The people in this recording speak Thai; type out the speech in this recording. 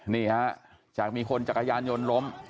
นี่ฮะจากมีคนจักรยานยนต์ล้ม